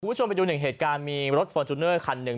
ผู้ชนเป็นจุนหนึ่งเหตุการณ์มีรถฟอร์นทูเนอร์คันหนึ่ง